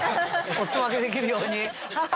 お裾分けできるように？